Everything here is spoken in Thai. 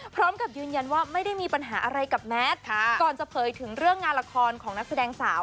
พร้อมกับยืนยันว่าไม่ได้มีปัญหาอะไรกับแมทก่อนจะเผยถึงเรื่องงานละครของนักแสดงสาว